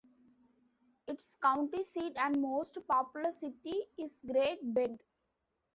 Its county seat and most populous city is Great Bend.